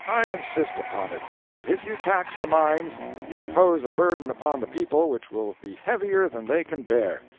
Yes, sir, I insist upon it, that if you tax the mines, you will impose a burden upon the people which will be heavier than they can bear.